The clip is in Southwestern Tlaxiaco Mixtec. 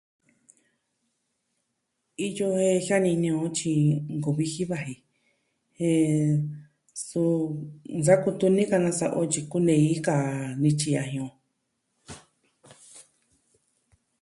Iyo e jianini o tyi nkuvi ji vaji. Jen... suu nsa kutuni ka nasa'a o tyi kunei kaa nityi ya'a jin o.